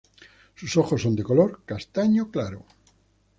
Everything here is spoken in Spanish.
Sus ojos son de color castaño claro.